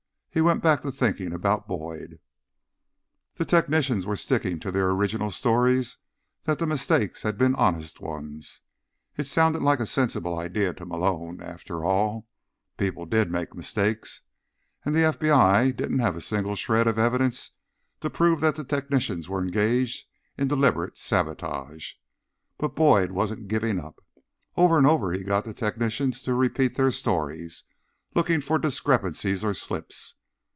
He went back to thinking about Boyd. The technicians were sticking to their original stories that the mistakes had been honest ones. It sounded like a sensible idea to Malone; after all, people did make mistakes. And the FBI didn't have a single shred of evidence to prove that the technicians were engaged in deliberate sabotage. But Boyd wasn't giving up. Over and over he got the technicians to repeat their stories, looking for discrepancies or slips.